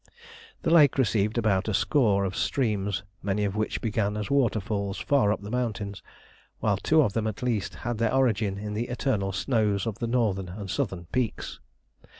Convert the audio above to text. The lake received about a score of streams, many of which began as waterfalls far up the mountains, while two of them at least had their origin in the eternal snows of the northern and southern peaks.